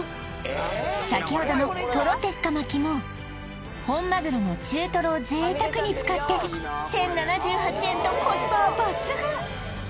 先ほどのとろ鉄火巻も本マグロの中とろを贅沢に使ってとコスパは抜群